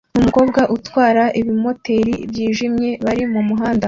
numukobwa utwara ibimoteri byijimye bari kumuhanda